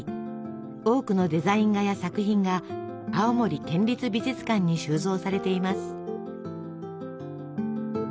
多くのデザイン画や作品が青森県立美術館に収蔵されています。